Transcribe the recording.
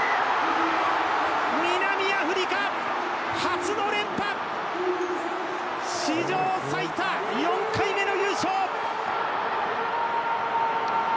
南アフリカ、初の連覇！史上最多４回目の優勝！